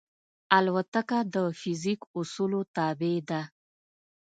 الوتکه د فزیک اصولو تابع ده.